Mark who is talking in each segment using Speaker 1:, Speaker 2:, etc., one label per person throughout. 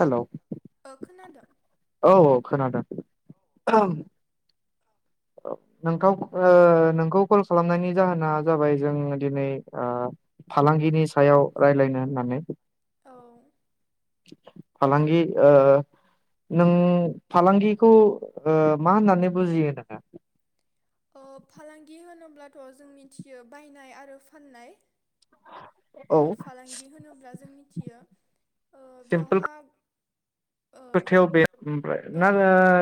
Speaker 1: Hello.
Speaker 2: ओ खोनादों
Speaker 1: औ औ खोनादों। नोंखौ ओ नोंखौ कल खालामनायनि जाहोना जाबाय जों दिनै ओ फालांगिनि सायाव रायज्लायनो होननानै
Speaker 2: औ
Speaker 1: फालांगि ओ नों फालांगिखौ ओ मा होननानै बुजियो नोंङो?
Speaker 2: अब्लाथ' जों मिथियो बायनाय आरो फाननाय।
Speaker 1: औ
Speaker 2: फालांगि होनोब्ला जों मिथियो ओ
Speaker 1: सिम्पोल
Speaker 2: बेवहा
Speaker 1: खोथायाव बे ओमफ्राय ना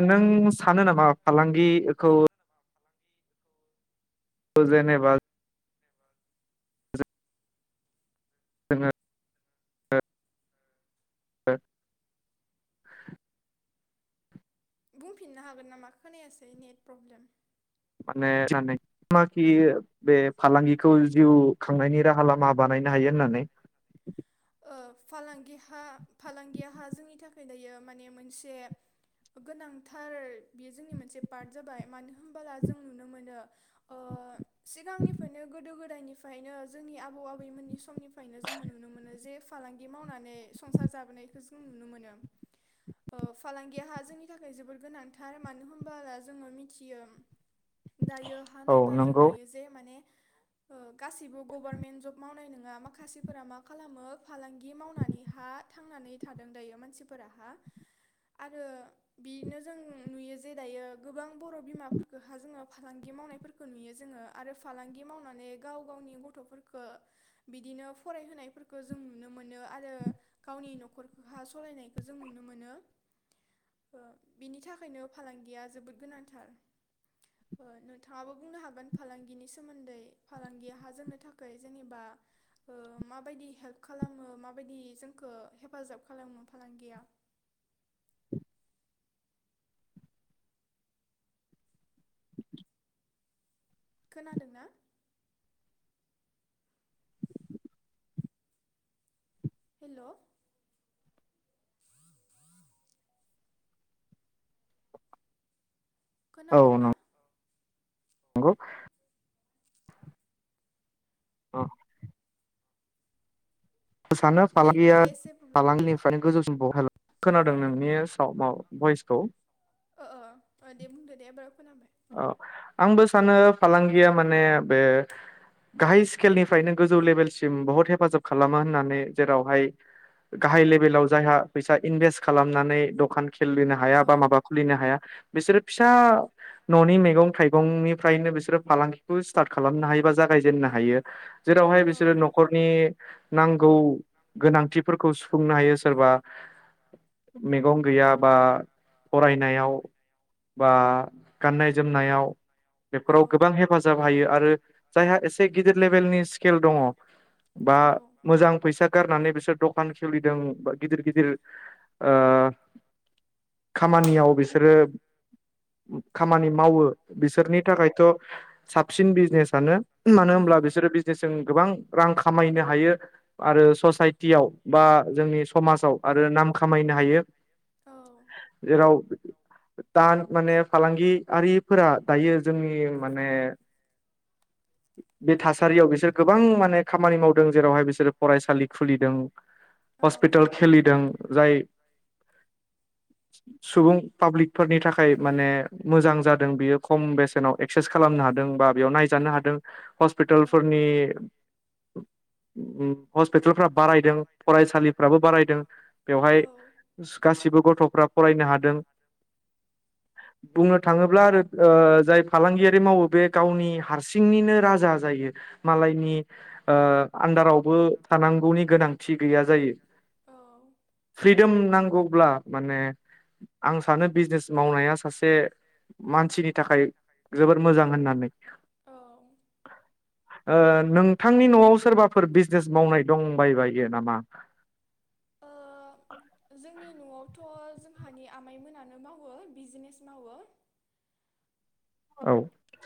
Speaker 1: नों सानो नामा फालांगि-खौ जेनेबा जोँ।
Speaker 2: बुंफिननो हागोन नामा खोनायासै नेट प्रब्लेम।
Speaker 1: माने सानोनामाखि बे फालांगिखौ जिउ खांनायनि राहा लामा बानायनो हायो होननानै?
Speaker 2: फालांगिहा फालांगियाहा जोंनि थाखाय दायो माने मोनसे गोनांथार बेयो जोंनि मोनसे पार्ट जाबाय मानो होनबोला जों नुनो मोनो सिगांनिफ्रायनो गोदो गोदायनिफ्रायनो जोंनि आबौ आबैमोननि स समनिफ्रायनो जोङो नुनो मोनो। [inaudible] जे फालांगि मावनानै संसार जाबोनायखौ जों नुनो मोनो ओ फालांगिहा जोंनि थाखाय जोबोद गोनांथार मानो होनबोला जोङो मिथियो [inaudible] दायो हा
Speaker 1: औ
Speaker 2: नायबा जों
Speaker 1: नंगौ
Speaker 2: नुयो जे माने ओ गासिबो गभारनमेन्ट जब मावनाय नोङा माखासेफोरा मा खालामो फालांगि मावनानैहा थांनानै थादों दायो मानसिफोराहा आरो बिनो जों नुयो जे दायो गोबां बर' बिमाफोरखो हा जोङो फालांगि मावनायफोरखो नुयो जोङो आरो फालांगि मावनानै गाव गावनि गथ'फोरखो बिदिनो फरायहोनायफोरखो जों नुनो मोनो आरो गावनि न'खरखोहा सलायनायखो जों नुनो मोनो ओ बिनि थाखायनो फालांगिया जोबोद गोनांथार। ओ नोंथाङाबो बुंनो हागोन फालांगिनि सोमोन्दै फालांगिया हा जोंनो थाखै जेनेबा ओ मा बायदि हेल्प [inaudible] खालामो माबायदि जोंखो हेफाजाब खालामो फालांगिया। खोनादों ना? हेल'। खोनादों ना?
Speaker 1: गौ औ। सानो
Speaker 2: नेटनि
Speaker 1: फालांगिया
Speaker 2: एसे प्रब्लेम जादों
Speaker 1: फालांगिनिफ्रायनो गोजौसिमबाव हानो खोनादों नोंनि स भ- भइसखौ। [inaudible]
Speaker 2: ओ ओ ओ दे बुंदो दे एबार खोनाबाय
Speaker 1: ओ आंबो सानो फालांगिया माने बे गाहाय स्किलनिफ्रायनो गोजौ लेभेलसिम बहुत हेफाजाब खालामो होननानै जेरावहाय गाहाय लेभेलाव जायहा फैसा इनभेस्ट खालामनानै दखान खेललेनो
Speaker 2: औ
Speaker 1: हाया बा माबा खुलिनो हाया बिसोरो दा न'नि मैगं थाइगंनिफ्रायनो बिसोरो फालांगिखौ स्टार्ट खालामनो हायो बा जागायजेेननो हायो। जेरावहाय बिसोरो न'खरनि नां गौ गोनांथिफोरखौ सुफुंनो हायो सोरबा मैगं गैया बा फरायनायाव बा गाननाय जोमनायाव बेफोराव गोबां हेफाजाब हायो आरो जायहा एसे गिदिर लेबेलनि स्किल दङ' बा मोजां फैसा गारनानै बिसोर दखान खलिदों बा गिदिर गिदिर ओ खामानियाव बिसोरो खामानि मावो बिसोरनि थाखायथ' साबसिन बिजनेसआनो मानो होनब्ला बिसोरो बिजनेसजों गोबां रां खामायनो हायो आरो ससाइटियाव बा जोंनि समाजाव आरो नाम खामायनो हायो जेराव दान माने फालांगियारिफोरा दायो जोंनि माने बे थास सारियाव बिसोर गोबां माने खामानि मावदों जेरावहाय बिसोरो फरायसालि खुलिदों हस्पिटाल खेलिदों जाय सुबुं पाब्लिकफोरनि थाखाय माने मोजां जादों बियो खम बेसेनाव एक्सेस खालामनो हादों बा बेयाव नायजानो हादों हस्पिटाल टेलफोरनि उम हस्पिटालफ्रा बारायदों फरायसालिफ्राबो बारायदों बेवहाय गासिबो गथ'फ्रा फरायनो हादों। बुंनो थाङोब्ला आरो ओ जाय फालांगियारि मावो बे गावनि हारसिंनिनो राजा जायो। मालायनि ओ आन्दारावबो थानांगौनि गोनांथि गैया जायो
Speaker 2: औ
Speaker 1: फ्रिदम नांगौब्ला माने आं सानो बिजनेस मावनाया सासे बे मानसिनि थाखाय जोबोर मोजां होननानै
Speaker 2: औ औ
Speaker 1: ओ नोंथांनि न'आव सोरबाफोर बिजनेस मावनाय दंबाय बायो नामा?
Speaker 2: नि न'आवथ' जोंहानि आमाइमोनानो मावो बिजनेस मावो [inaudible]
Speaker 1: औ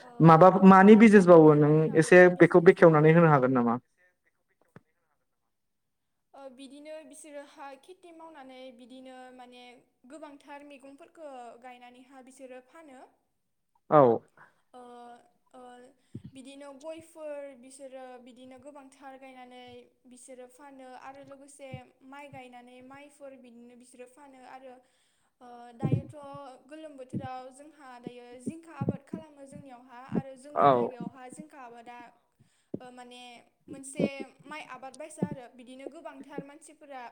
Speaker 2: ओ
Speaker 1: माबाफो
Speaker 2: आंनि
Speaker 1: मानि बिजनेस
Speaker 2: काजिन
Speaker 1: बावो नों
Speaker 2: बिदाफोराबो
Speaker 1: एसे बेखौ
Speaker 2: बिजनेस मावो।
Speaker 1: बेखेवनानै होनो हागोन नामा?
Speaker 2: ओ बिदिनो बिसोरो हा खेथि मावनानै बिदिनो माने गोबांथार मैगंफोरखो गायनानैहा बिसोरो फानो।
Speaker 1: औ।
Speaker 2: ओ ओ बिदिनो गयफोर बिसोरो बिदिनो गोबांथार गायनानै बिसोरो फानो। आरो लोगोसे माइ गायनानै माइफोर बिदिनो बिसोरो फानो आरो ओ दायोथ' गोलोम बोथोराव जोंहा दायो जिंखा आबाद खालामो जोंनियावहा हा आरो
Speaker 1: औ
Speaker 2: जोंनि जायगायावहा जिंखा आबाद दा ओ मान ने मोनसे माइ आबाद बायसा बिदनो बिदिनो गोबांथार मानसिफोरा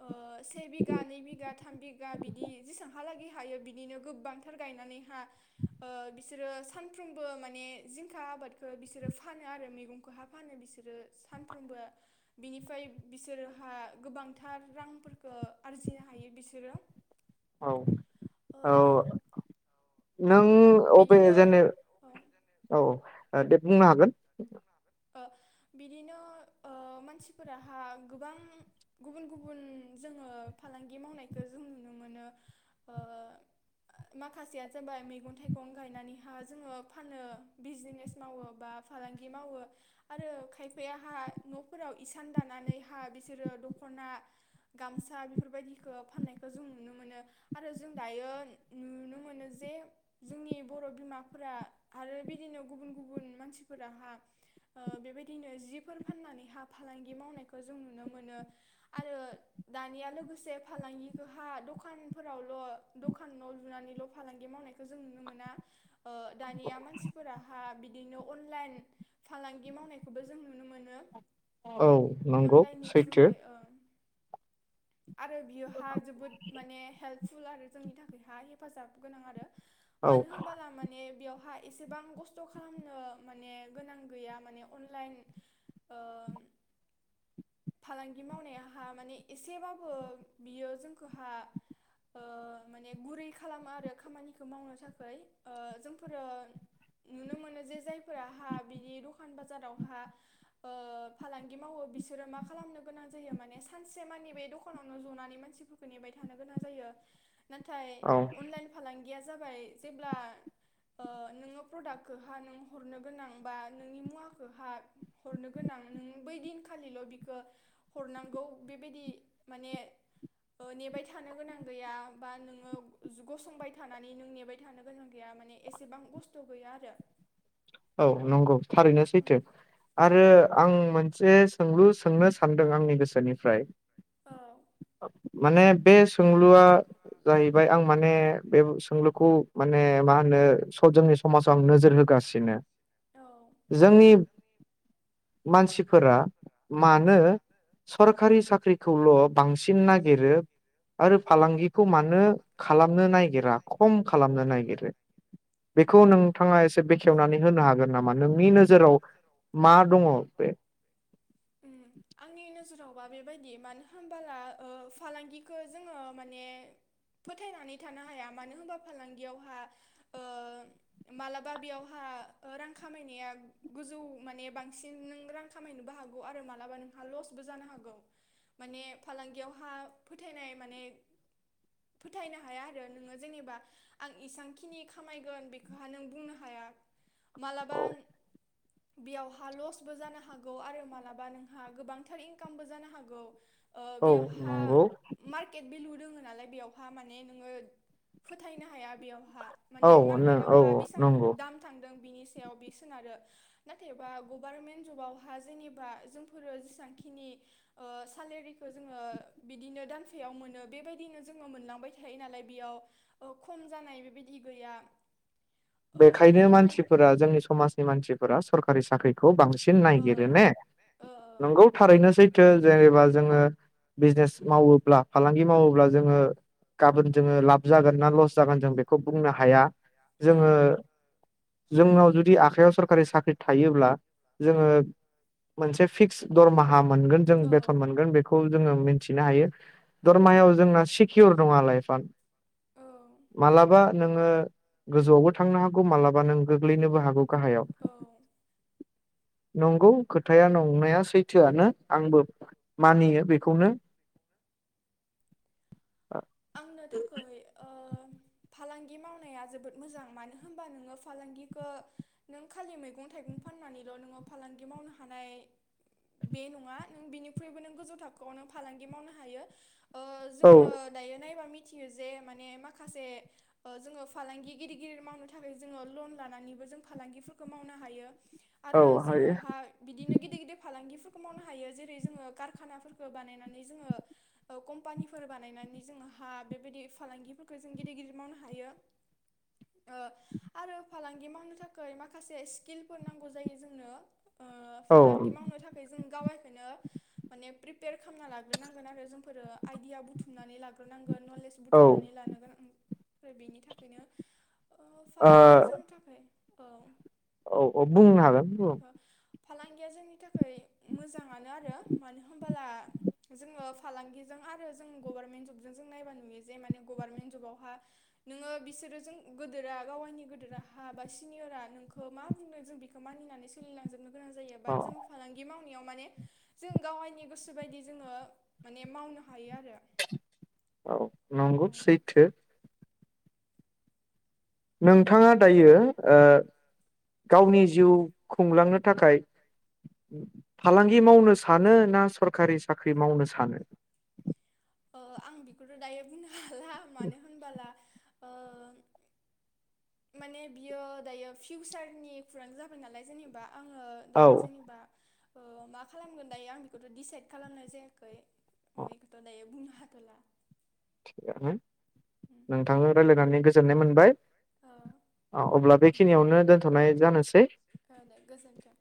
Speaker 2: ओ से बिघा नै बिघा थाम बिघा बिदि जेसेबांहालागै हायो बिदिनो गोबांथार गायनानैहा ओ बिसोरो सानफ्रोमबो माने जिंखा आबादखो बिसोरो फानो आरो मैगंखोहा फानो बिसोरो सानफ्रोमबो बिनिफाय बिसोरहा गोबांथार रांफोरखो आरजिनो हायो बिसोरो।
Speaker 1: औ
Speaker 2: ओ
Speaker 1: औ। नों अबे
Speaker 2: बिदिनो
Speaker 1: जेने औ। दे बुंनो हागोन।
Speaker 2: ओ बिदिनो ओ मानसिफोराहा गोबां गुबुन गुबुन जोङो फालांगि मावनायखो जों नुनो मोनो ओ माखासेया जाबाय मैगं थाइगं गायनानैहा जोङो फानो बिजनेस मावो बा फालांगि मावो। आरो खायफायाहा न'फोराव इसान दानानैहा बिसोरो दख'ना गामसा बेफोरबायदिखो फाननायखो जों नुनो मोनो आरो जों दायो नुनो मोनो जे जोंनि बर' बिमाफोरा आरो बिदिनो गुबुन गुबुन मानसिफोराहा ओ बेबायदिनो जिफोर फाननानैहा फालांगि मावनायखौ जों नुनो मोनो आरो दानिया लोगोसे फालांगिखोहा दखानफोरावल' दखानाव लुनानैल' फालांगि मावनायखौ जों नुनो मोना। ओ दानिया मानसिफोरा हा बिदिनो अनलाइन फालांगि मावनायखौबो जों नुनो मोनो।
Speaker 1: अ औ नंगौ
Speaker 2: अनलाइननि
Speaker 1: सैथो।
Speaker 2: थ्रुहै ओ आरो बियोहा जोबोद माने हेल्प फुल आरो जोंनि थाखाय हा हेफाजाब गोनां आरो।
Speaker 1: औ
Speaker 2: मानो होमबाला माने बेवहाय-' इसेबां खस्थ' खालामनो माने गोनां गैया माने अनलाइन ओ फालांगि मावनायाहा माने एसेबाबो बियो जोंखोहा ओ माने गुरै खालामो आरो खामानिखो मावनो थाखै ओ जोंफोरो नुनो मोनो जे जायफोरा हा बिदि दखान बाजारावहा ओ फालांगि मावो बिसोरो मा खालामनो गोनां जायो माने सानसे मानि बे दखानावनो जनानै मानसिफोरखो नेबाय थानो गोनां जायो। नाथाय
Speaker 1: औ
Speaker 2: अनलाइन फालां गिया जाबाय जेब्ला ओ नोंङो प्रडाक्टखोहा नों हरनो गोनां बा नोंनि मुवाखोहा हरनो गोनां नों बै दिनखालिल' बिखो हरनांगौ बेबादि माने ओ नेबाय थानो गोनां गैया बा नोंङो गसंबाय थानानै नों नेबाय थानो गोनां गैया माने एसेबां खस्थ' गैया आरो।
Speaker 1: औ नंगौ। थारैनो
Speaker 2: उम
Speaker 1: सैथो, आरो आं मोनसे सोंलु सोंनो सानदों आंनि गोसोनिफ्राय
Speaker 2: औ
Speaker 1: [inaudible] माने बे सोंलुआ जाहैबाय आं माने बे सोंलुखौ माने मा होनो जोंनि ससज समाजाव आं नोजोर होगासिनो
Speaker 2: औ
Speaker 1: जोंनिब मानसिफोरा मानो सरखारि साख्रिखौल' बांसिन नागिरो आरो फालांगिखौ मानो खालामनो नागिरा खम खालामनो नागिरो बेखौ नोंथांङा एसे बेखेवनानै नो हागोन नामा नोंनि नोजोराव मा दंङ?
Speaker 2: उम आंनि नो - जोरावबा बेबायदि मानो होनबोला फालांगिखौ जोंङो माने फोथायनानै थानो हाया मानो होनबा फालांगियावहा ओ मालाबा बेयावहा रां खामायनाया गोजौ माने बांसिन नों रां खामायनोबो हागौ आरो मालाबा नों लसबो जानो हागौ माने फालांगियावहा फोथायनाय माने फोथायनो हाया आरो नोंङो जेनेबा आं इसबांखिनि खामायगोन बेखौहा नों बुंनो हाया। मालाबा
Speaker 1: औ
Speaker 2: बेयावहा लसबो जानो हा गौ आरो मालाबा नोंहा गोबांथार इनकामबो जानो हागौ। ओ
Speaker 1: औ
Speaker 2: बेयावहा
Speaker 1: नंगौ
Speaker 2: मार्केट बेलु दोंङो नालाय बेवहा माने नोंङो फोथायनो हाया बेयावहा
Speaker 1: औ
Speaker 2: माने
Speaker 1: औ
Speaker 2: मार्केटआवहा
Speaker 1: नंगौ
Speaker 2: बेसेबां दाम थांदों बिनि सायाव बे सोनारो। नाथायबा गभार्नमेन्ट जबाव हा जेनेबा जोंफोरो जेसेबांखिनि सालेरिखौ जोंङो बिदिनो दानसेयाव मोनो बेबायदिनो जोंङो मोनलांबाय थायो नालाय बेयाव खम जानाय बेबायदि गैया। ओ
Speaker 1: बेखायनो
Speaker 2: बिनिखाय
Speaker 1: मानसिफोरा जोंनि समाजनि मानसिफोरा सरक रि साख्रि खौ बांसिन नायागिरो ने
Speaker 2: सरकारि
Speaker 1: नोंगौ
Speaker 2: साख्रिखौ
Speaker 1: थारैनोसै थो जेनेबा जोंङो बिजनेस मावोब्ला फालांगि मावोब्ला जोंङो गाबोन जोंङो लाब जागोन ना लस जागोन जों बेखौ बुंनो हाया।
Speaker 2: बांसिन
Speaker 1: जोंङो जोंनाव जुदि आखायाव सरखारि साख्रि थायोब्ला जोंङो मोनसे फिक्स दरमाहा मोनगोन जों बेथन मोनगोन बेखौ जोंङो मोनथिनो हायो।
Speaker 2: बेखौ जोङो मिथिनो हायो औ
Speaker 1: दरमायाव जोंना सिकियर नंङा लाइफ बान
Speaker 2: औ
Speaker 1: मालाबा नोंङो गोजौआवबो थांनो हागौ मालाबा नों गोग्लैनोबो हागौ गाहायाव
Speaker 2: औ
Speaker 1: नंगौ खोथाया नंनाया सैथोआनो आंबो मानियो बेखौनो
Speaker 2: आंनो थाखै ओ फालांगि मावनाया जोबोद मोजां मानो होनबा नोङो फालांगिखौ नों खालि मैगं थाइगं फाननानैल नोङो फालांगि मावनो हानाय बे नङा नों बिनिख्रुइबो नों गोजौ थाखोआव नों फालांगि मावनो हायो ओ
Speaker 1: औ
Speaker 2: जोङो दायो नायबा मिथियो जे माने माखासे जोङो फालांगि गिदिर गिदिर मावनो थाखाय जोङो लन लानानैबो जों फालांगिफोरखौ मावनो हायो आरो
Speaker 1: औ
Speaker 2: जोङो
Speaker 1: हायो
Speaker 2: हा बिदिनो गेदिर गेदिर फालांगि -मावनो हायो जेरै जोङो खारखाना फोरखौ बानायनानै जोङो कम्पानिफोर बानायनानै जोहा बेबायदि फालांगिफोरखौ जों गिदिर गिदिर मावनो हायो ओ आरो फालांगि मावनो थाखै माखासे स्किलफोर नांगौ जायो जोंनो ओ
Speaker 1: औ
Speaker 2: फालांगि मावनो थाखाय जों गावा- -नो माने प्रिपेयार खामना लाग्रोनांगोन आरो जोंफोरो आइदिया बुथुमनानै ला- -नां नलेज
Speaker 1: औ ओ
Speaker 2: बुथुमनानै लानांगोन ओम- आरो बेनि थाखायनो [inaudible] अ फालांगिया जोंनि थाखाय औ [inaudible]
Speaker 1: औ औ बुंनो हागोन बुं
Speaker 2: फालांगिया जोंनि थाखाय मोजाङानो आरो मानो होनबोला जोङो फालांगिजों आरो जों गभारनमेन्ट जब जों नायबा नुयो जे माने गभार्मेन्ट जबआवहा नोङो बिसोरो जों गोदोरा गावगायनि गोदोरा हा बा सिनिअरा नोंखौ मा बुंदों जों बिखौ मानिनानै सोलिलांजोबनो गोनां जायो
Speaker 1: औ
Speaker 2: बाट जो फालांगि माव नायाव माने जों गाव गायनि गोसो बायदि जोङो माने मावनो हायो आरो
Speaker 1: औ नंगौ सैथो नोंथाङा दायो ओ गावनि जिउ खुंलांनो थाखाय फालांगि मावनो सानो ना सरखारि साख्रि मावनो सानो?
Speaker 2: ओ आं बिखौथ' दायो बुंनो हाला मानो होनबोला ओ माने बियो दायो फिउसारनि खुरां जाबाय नालाय जेनेबा आङो
Speaker 1: औ
Speaker 2: दायो जेनेबा ओ मा खालामगोन दायो आं बेखौथ' डिसाइद खालामनाय जायाखै। अगथ [inaudible] बुंनो हाथ'ला
Speaker 1: थिगानो
Speaker 2: उम,
Speaker 1: नोंथांजों रायलायनानै गोसो गोजोननाय मोनबाय।
Speaker 2: ओ
Speaker 1: औ अब्ला बेखिनियावनो दोनथ'नाय जानो सै
Speaker 2: औ द गोसोनख [inaudible]